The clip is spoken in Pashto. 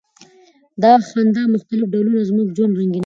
د خندا مختلف ډولونه زموږ ژوند رنګینوي.